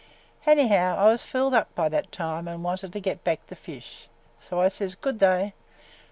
Anyhow, I was filled up by that time an' wanted to get back to fish so I says good day.